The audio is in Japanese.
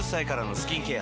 スキンケア。